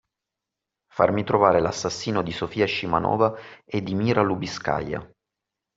Farmi trovare l'assassino di Sofia Scimanova e di Mira Lubiskaja.